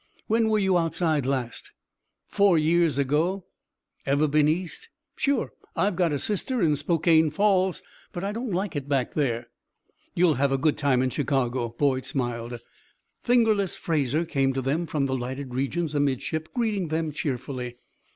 "When were you outside last?" "Four years ago." "Ever been East?" "Sure! I've got a sister in Spokane Falls. But I don't like it back there." "You will have a good time in Chicago." Boyd smiled. "Fingerless" Fraser came to them from the lighted regions amidship, greeting them cheerfully.